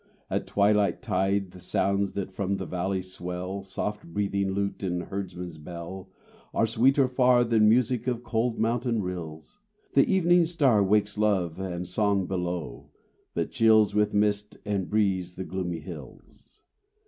At twilight tide The sounds that from the valley swell, Soft breathing lute and herdsman's bell, Are sweeter far Than music of cold mountain rills. The evening star Wakes love and song below, but chills With mist and breeze the gloomy hills.